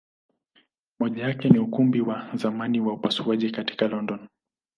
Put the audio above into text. Moja yake ni Ukumbi wa zamani wa upasuaji katika London.